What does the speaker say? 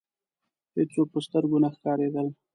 هېڅوک په سترګو نه ښکاریدل.